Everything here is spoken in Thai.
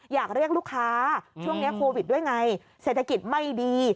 อยากเรียกลูกค้าช่วงนี้โควิดด้วยไงเศรษฐกิจไม่ดี